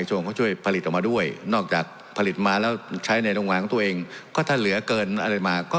สวัสดีสวัสดีสวัสดีสวัสดีสวัสดีสวัสดีสวัสดี